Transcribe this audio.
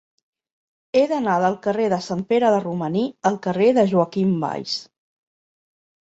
He d'anar del carrer de Sant Pere de Romaní al carrer de Joaquim Valls.